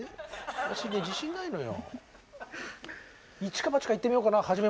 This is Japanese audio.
私ね自信ないのよ。